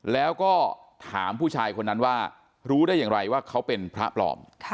แล้วก็ถามผู้ชายคนนั้นว่ารู้ได้อย่างไรว่าเขาเป็นพระปลอม